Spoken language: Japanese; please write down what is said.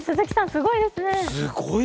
すごいですね。